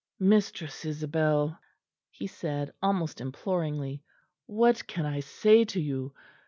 "Mistress Isabel," he said almost imploringly, "what can I say to you?